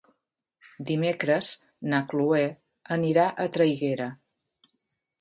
Dimecres na Chloé anirà a Traiguera.